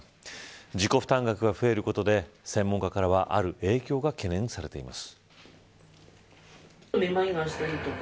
自己負担額が増えることで専門家からはある影響が懸念されています。